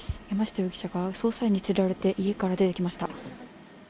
山下容疑者が捜査員に連れられて家から出てきました。